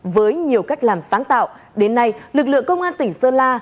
với nhiều cách làm sáng tạo đến nay lực lượng công an tỉnh sơn la